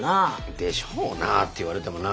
でしょうなって言われてもな。